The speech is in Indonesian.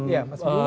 ya mas bima